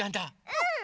うん！